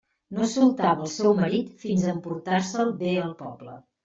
No soltava el seu marit fins a emportar-se'l bé al poble.